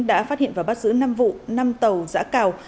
đã phát hiện và bắt giữ năm vụ năm tàu giã cào